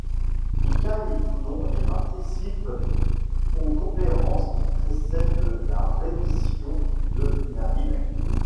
Il gagne Toulon et participe aux conférences qui précèdent la reddition de la ville.